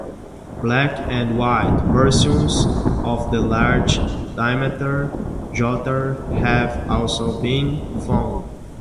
Black and white versions of the large diameter Jotter have also been found.